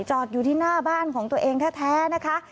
จอดอยู่ที่หน้าบ้านของตัวเองแท้นะคะ